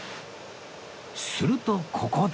するとここで